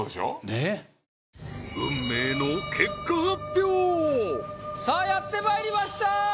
ねえ運命のさあやってまいりました